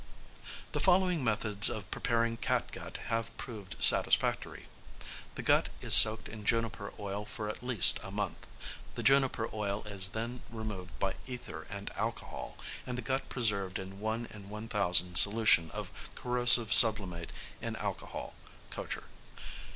_ The following methods of preparing catgut have proved satisfactory: (1) The gut is soaked in juniper oil for at least a month; the juniper oil is then removed by ether and alcohol, and the gut preserved in 1 in 1000 solution of corrosive sublimate in alcohol (Kocher).